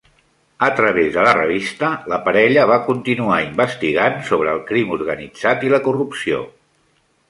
A través de la revista, la parella va continuar investigant sobre el crim organitzat i la corrupció.